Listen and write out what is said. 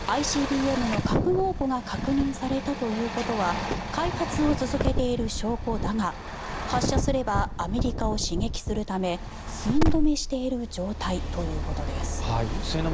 ＩＣＢＭの格納庫が確認されたということは開発を続けている証拠だが発射すればアメリカを刺激するため寸止めしている状態ということです。